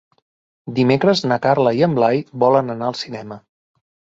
Dimecres na Carla i en Blai volen anar al cinema.